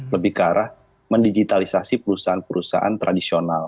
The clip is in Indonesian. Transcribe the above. lebih ke arah mendigitalisasi perusahaan perusahaan tradisional